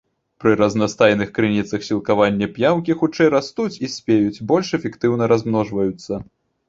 Пры разнастайных крыніцах сілкавання п'яўкі хутчэй растуць і спеюць, больш эфектыўна размножваюцца.